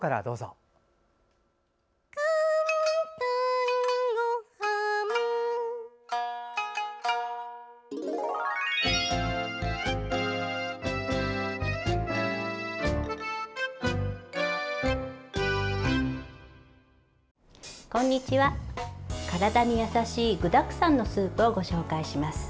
体に優しい具たくさんのスープをご紹介します。